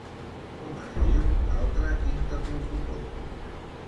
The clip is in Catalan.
Com es diu l'altre interl·locutor?